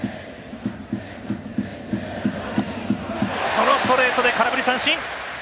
そのストレートで空振り三振！